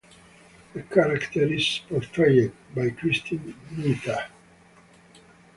The character is portrayed by Kristin Minter.